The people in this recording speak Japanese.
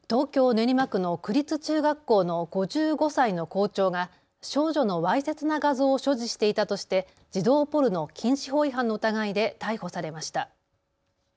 練馬区の区立中学校の５５歳の校長が少女のわいせつな画像を所持していたとして児童ポルノ禁止法違反の疑いで逮捕されました。